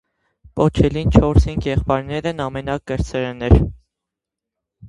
Պոթչելին չորս հինգ եղբայրներէն ամենակրտսերն էր։